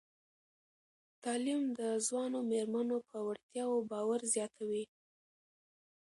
تعلیم د ځوانو میرمنو په وړتیاوو باور زیاتوي.